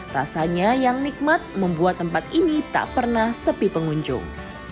rasanya yang nikmat membuat tempat ini tak pernah sepi pengunjung